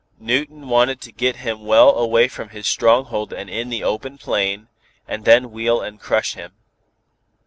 Newton wanted to get him well away from his stronghold and in the open plain, and then wheel and crush him.